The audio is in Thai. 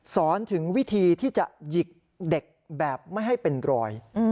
สอนถึงวิธีที่จะหยิกเด็กแบบไม่ให้เป็นรอย